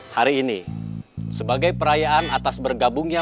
hari ini sebagai perayaan atas bergabungnya